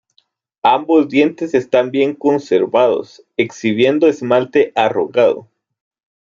Ambos dientes están bien conservados, exhibiendo esmalte arrugado.